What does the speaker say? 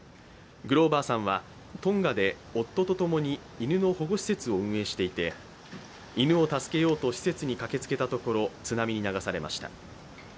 グローバーさんはトンガで夫とともに、犬の保護施設を運営していて犬を助けようと施設に駆けつけたところ、津波に流されました。